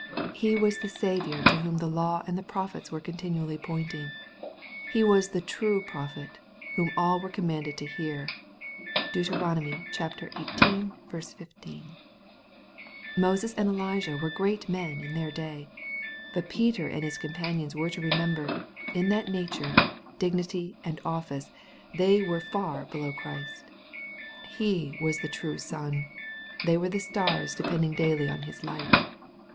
He was the Saviour to whom law and prophets were con tinually pointing. He was the true Prophet, whom aU were commanded to hear. (Deut. xviii. 15.) Moses and Elijah were great men in their day. But Peter and his companions were to remember, that in nature, dignity, and office, they were far below Christ. — He was the true sun : they were the stars depending daily on His light.